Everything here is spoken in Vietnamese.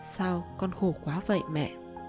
sao con khổ quá vậy mẹ